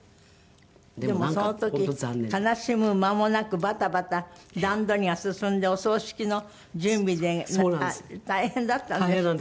でもその時悲しむ間もなくバタバタ段取りが進んでお葬式の準備で大変だったんですって？